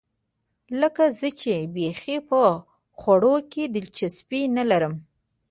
لکه زه چې بیخي په خوړو کې دلچسپي نه لرم.